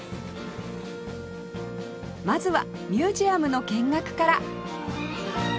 まずはミュージアムの見学から